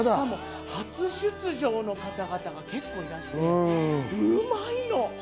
初出場の方々が結構いらして、うまいの。